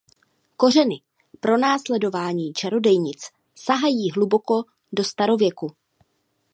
Kořeny pronásledování čarodějnic sahají hluboko do starověku.